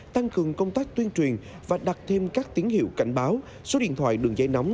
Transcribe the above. tăng cường công tác tuyên truyền và đặt thêm các tín hiệu cảnh báo số điện thoại đường dây nóng